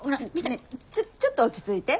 ねえちょっと落ち着いて。